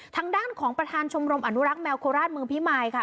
ทางด้านของประธานชมรมอนุรักษ์แมวโคราชเมืองพิมายค่ะ